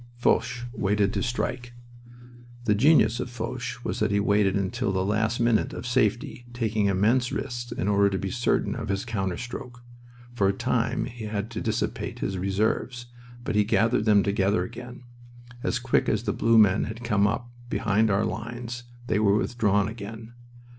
Foch waited to strike. The genius of Foch was that he waited until the last minute of safety, taking immense risks in order to be certain of his counter stroke. For a time he had to dissipate his reserves, but he gathered them together again. As quick as the blue men had come up behind our lines they were withdrawn again.